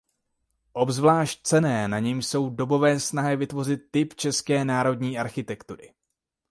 Obzvlášť cenné na něm jsou dobové snahy vytvořit typ české národní architektury.